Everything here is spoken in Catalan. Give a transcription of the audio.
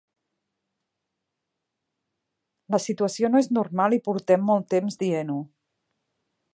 La situació no és normal i portem molt temps dient-ho.